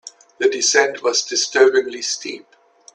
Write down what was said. The descent was disturbingly steep.